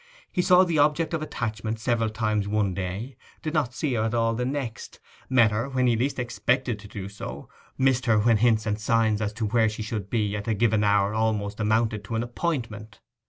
He saw the object of attachment several times one day, did not see her at all the next, met her when he least expected to do so, missed her when hints and signs as to where she should be at a given hour almost amounted to an appointment.